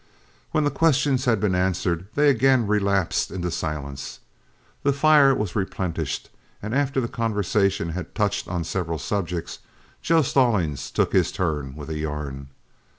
When the questions had been answered, they again relapsed into silence. The fire was replenished, and after the conversation had touched on several subjects, Joe Stallings took his turn with a yarn.